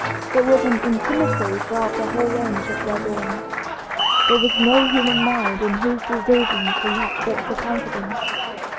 It was an intimacy throughout the whole range of their being. There was no human mind in whose decisions he had greater confidence.